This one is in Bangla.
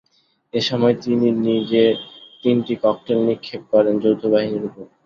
এ সময় তিনি নিজে তিনটি ককটেল নিক্ষেপ করেন যৌথ বাহিনীর ওপর।